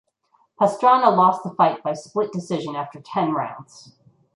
Pastrana lost the fight by split decision after ten rounds.